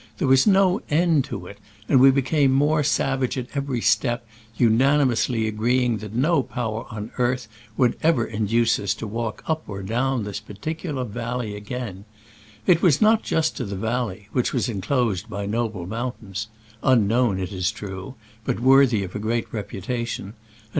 There was no end to it, and we became more savage at every step, unanimously agreeing that no power on earth would ever induce us to walk up or down this particular valley again. It was not just to the valley, which was enclosed by noble mountains — unknown, it is true, but worthy of a great reputation, and THB VALLON DES 6tAN<;ONS (LOOKING TOWARD LA BBKARDB).